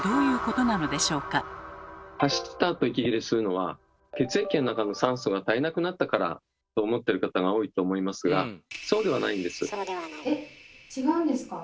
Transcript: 走ったあと息切れするのは血液の中の酸素が足りなくなったからと思っている方が多いと思いますがそうではないんです。